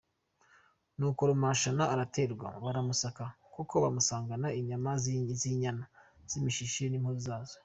Nuko Rumashana araterwa baramusaka koko bamusangana inyama z’inyana z’imishishe n’impu zazo.